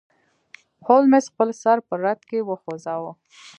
هولمز خپل سر په رد کې وخوزاوه.